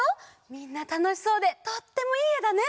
みんなたのしそうでとってもいいえだね。